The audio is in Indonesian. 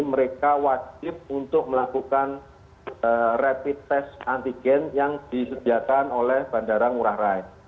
mereka wajib untuk melakukan rapid test antigen yang disediakan oleh bandara ngurah rai